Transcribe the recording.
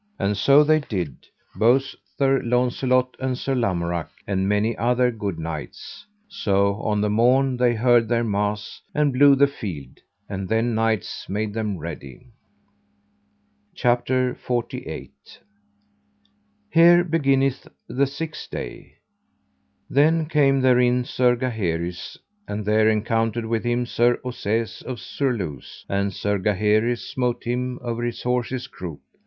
And so they did, both Sir Launcelot and Sir Lamorak, and many other good knights. So on the morn they heard their mass, and blew the field, and then knights made them ready. CHAPTER XLVIII. Of the sixth day, and what then was done. Here beginneth the sixth day. Then came therein Sir Gaheris, and there encountered with him Sir Ossaise of Surluse, and Sir Gaheris smote him over his horse's croup.